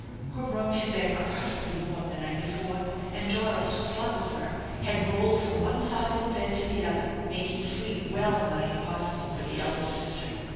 Her room had been oppressively warm the night before; and Doris, who slept with her, had rolled from one side of the bed to the other, making sleep well nigh impossible for the elder sister.